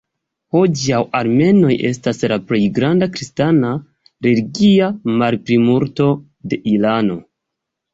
Hodiaŭ armenoj estas la plej granda kristana religia malplimulto de Irano.